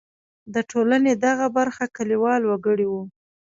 د ټولنې دغه برخه کلیوال وګړي وو.